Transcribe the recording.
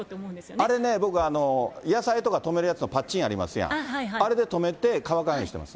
あれね、僕、野菜とか留めるぱっちんありますやん、あれで留めて、乾かんようにしてます。